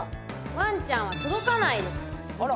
ワンちゃんは届かないです